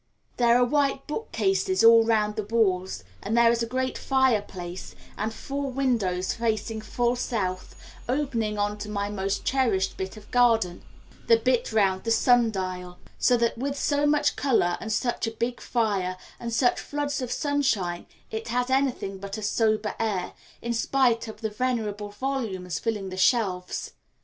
There are white bookcases all round the walls, and there is a great fireplace, and four windows, facing full south, opening on to my most cherished bit of garden, the bit round the sun dial; so that with so much colour and such a big fire and such floods of sunshine it has anything but a sober air, in spite of the venerable volumes filling the shelves.